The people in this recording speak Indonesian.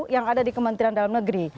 yang ada di kementerian dalam negeri